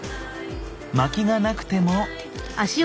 まきがなくても。